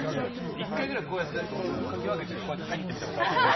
１回ぐらい、かき分けて入ってみたことある？